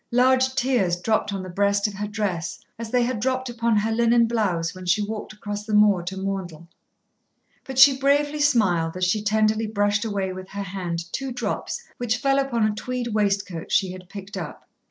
Large tears dropped on the breast of her dress as they had dropped upon her linen blouse when she walked across the moor to Maundell. But she bravely smiled as she tenderly brushed away with her hand two drops which fell upon a tweed waistcoat she had picked up.